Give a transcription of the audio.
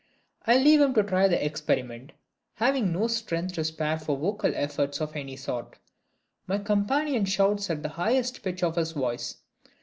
I leave him to try the experiment, having no strength to spare for vocal efforts of any sort. My companion shouts at the highest pitch of his voice.